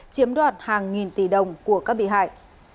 chiếm đoạt hàng nghìn tỷ đồng của các bị hại